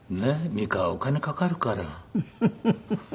美川はお金かかるから。